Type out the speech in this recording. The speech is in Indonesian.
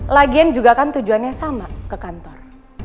lagian juga kan tujuannya sama ke kantor